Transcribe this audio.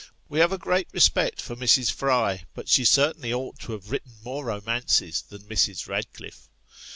We have a great respect for Mrs. Fry, but she certainly ought to have written more romances than Mrs. Radcliffe.